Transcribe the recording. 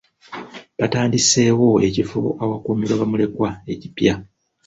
Batandiseewo ekifo ewakuumirwa bamulekwa ekipya.